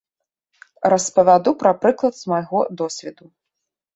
Распавяду пра прыклад з майго досведу.